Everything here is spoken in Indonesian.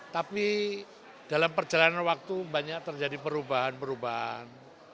tapi dalam perjalanan waktu banyak terjadi perubahan perubahan